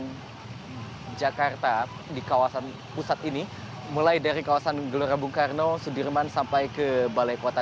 persija jakarta di kawasan pusat ini mulai dari kawasan gelora bungkarno sudirman sampai ke balai kota